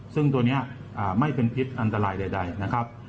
ซึ่งตัวนี้ไม่เป็นพิษอันตรายใดนะครับ